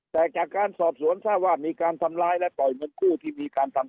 แต่จากการสอบสวนทราบว่ามีการทำร้ายและปล่อยเงินกู้ที่มีการทำ